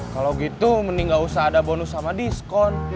kalau gitu mending nggak usah ada bonus sama diskon